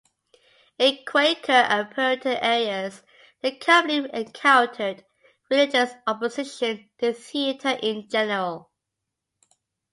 In Quaker and Puritan areas, the company encountered religious opposition to theatre in general.